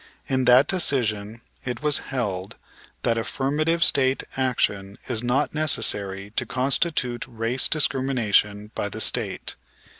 In that decision it was held that affirmative State action is not necessary to constitute race discrimination by the State.